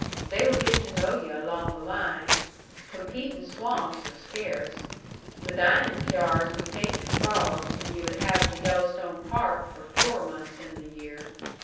They would get to know yu' along the line. Competing swamps are scarce. The dining cyars would take your frawgs, and yu' would have the Yellowstone Park for four months in the year.